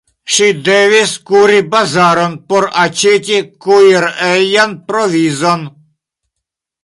Ŝi devis kuri bazaron por aĉeti kuirejan provizon.